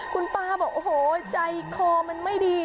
คุณป้าบอกโอ้โหใจคอมันไม่ดี